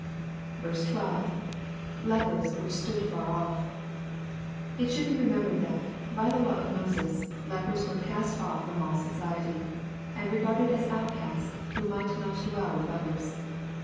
12. — [JL^erSj which stood afar off^ It should be remembered that, by the law of Moses, lepers were cast ofi* from all society, and re garded as outcasts, who might not dwell with others.